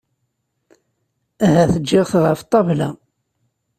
Ahat ǧǧiɣ-t ɣef ṭṭabla.